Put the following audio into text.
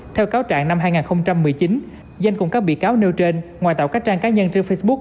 theo cáo trạng năm hai nghìn một mươi chín danh cùng các bị cáo nêu trên ngoài tạo các trang cá nhân trên facebook